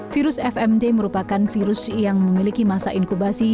virus fmt merupakan virus yang memiliki masa inkubasi